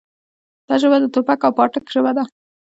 دا ژبه د ټوپک او پاټک ژبه ده.